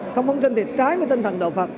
không phóng tranh thì trái với tinh thần đạo phật